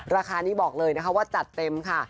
ราคานี้บอกเลยนะคะว่าจัดเต็มค่ะ